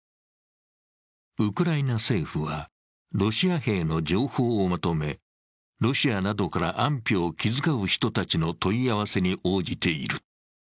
ウクライナ政府は、ロシア兵の情報を求め、ロシアなどから安否を気遣う人たちの問い合わせに応じている。